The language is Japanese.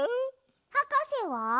はかせは？